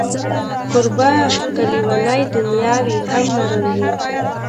کوربه که لېونۍ دنیا وي، هم نرم وي.